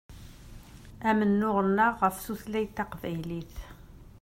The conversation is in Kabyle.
Amennuɣ-nneɣ ɣef tutlayt taqbaylit.